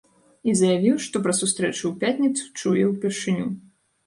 І заявіў, што пра сустрэчу ў пятніцу, чуе ў першыню.